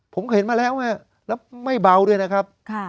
ผมเข็นมาแล้วแล้วไม่เบาด้วยนะครับ